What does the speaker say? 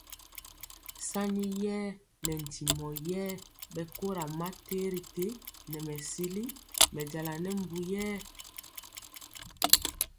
Sani yɛɛ nɛ ntimɔ yɛé mɛkora ma terité nɛ mɛsili mɛ jala nɛ mbu yɛɛ.